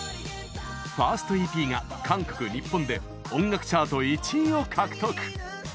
ファーストＥＰが韓国・日本で音楽チャート１位を獲得。